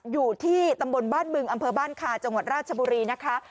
อยู่ที่ตำบลบ้านบึงอำเภอบ้านคาจังหวัดราชบุรีนะคะ